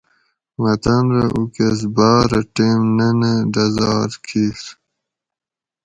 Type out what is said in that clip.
مہ تن رہ اوکس باۤرہ ٹیم ننہ ڈزار کیر